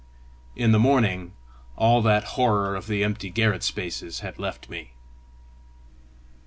In the morning all that horror of the empty garret spaces had left me.